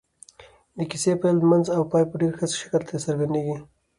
د کيسې پيل منځ او پای په ډېر ښه شکل څرګندېږي.